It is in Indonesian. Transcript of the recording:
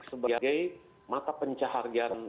sebagai mata pencahargaan